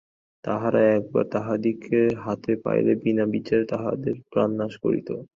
তাঁহারা একবার তাঁহাদিগকে হাতে পাইলে বিনা বিচারে তাঁহাদের প্রাণনাশ করিতেন।